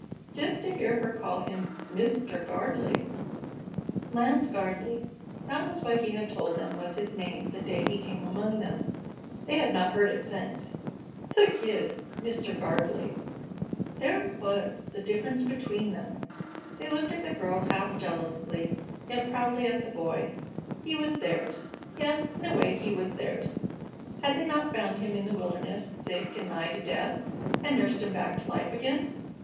Just to hear her call him "Mr. Gardley"! Lance Gardley, that was what he had told them was his name the day he came among them. They had not heard it since. The Kid! Mr. Gardley! There it was, the difference between them! They looked at the girl half jealously, yet proudly at the Boy. He was theirs yes, in a way he was theirs had they not found him in the wilderness, sick and nigh to death, and nursed him back to life again?